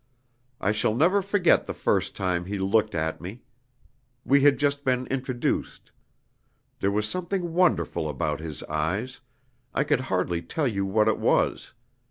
I shall never forget the first time he looked at me. We had just been introduced. There was something wonderful about his eyes I could hardly tell you what it was.